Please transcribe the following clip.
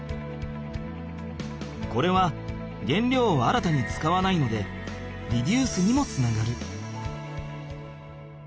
これはげんりょうを新たに使わないのでリデュースにもつながる。